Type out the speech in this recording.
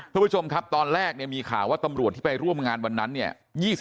ท่านผู้ชมครับตอนแรกมีข่าวว่าตำรวจที่ไปร่วมงานวันนั้น๒๑นาย